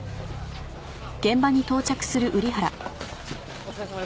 お疲れさまです。